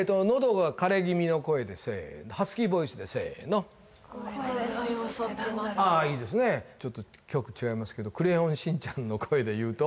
がかれ気味の声でせーのせーのああいいですねちょっと局違いますけどクレヨンしんちゃんの声で言うと？